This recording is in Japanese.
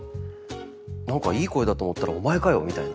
「何かいい声だと思ったらお前かよ」みたいな。